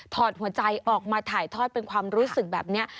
อดหัวใจออกมาถ่ายทอดเป็นความรู้สึกแบบนี้